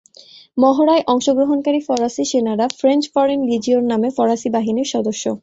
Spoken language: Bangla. মহড়ায় অংশগ্রহণকারী ফরাসি সেনারা ফ্রেঞ্চ ফরেন লিজিওন নামে ফরাসি বাহিনীর সদস্য।